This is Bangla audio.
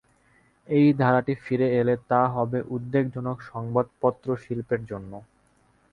এই ধারাটি ফিরে এলে তা হবে উদ্বেগজনক সংবাদপত্রশিল্পের জন্য।